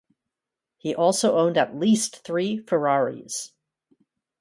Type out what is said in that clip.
He also owned at least three Ferraris.